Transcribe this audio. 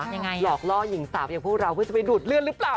หลอกล่อหญิงสาวอย่างพวกเราเพื่อจะไปดูดเลือดหรือเปล่า